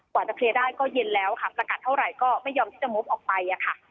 กว่าจะเคลียร์ได้ก็เย็นแล้วค่ะประกาศเท่าไหร่ก็ไม่ยอมที่จะงบออกไปค่ะ